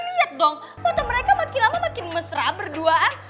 lihat dong foto mereka makin lama makin mesra berduaan